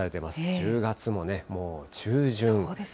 １０月ももう中旬。